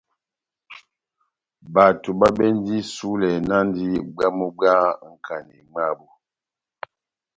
Bato babɛndi isulɛ náhndi bwamu bwá nkanéi mwabu.